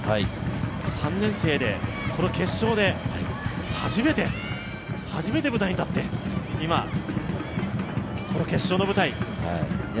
３年生で、この決勝で初めて舞台に立って、今、この決勝の舞台。